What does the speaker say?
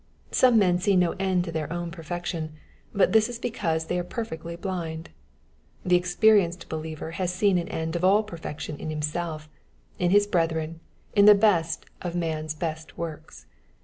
Some men see no end to their own perfection, but this is because they are per fectly blind. The experienced believer has seen an end of all perfection in himself, in his brethren, in the best man's best works.